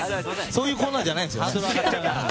そういうコーナーじゃないんですよね。